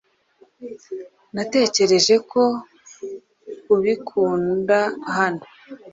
Natekereje ko ubikunda hano.